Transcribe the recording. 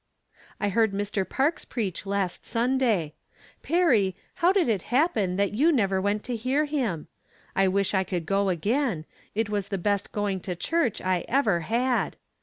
I heard Mr. Parks preach, last Sunday. Perry, how did it happen that you never went to hear him ? I wish I could go again ; it was the best going to church I ever had.